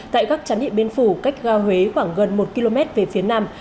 tại các trán địa biên phủ cách ga huế khoảng gần một km về phía nam